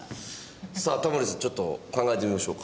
さあタモリさんちょっと考えてみましょうか。